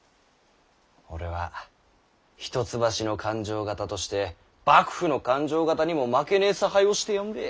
俺は一橋の勘定方として幕府の勘定方にも負けねぇ差配をしてやんべぇ。